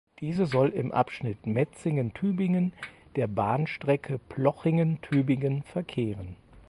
Diese soll im Abschnitt Metzingen–Tübingen der Bahnstrecke Plochingen–Tübingen verkehren.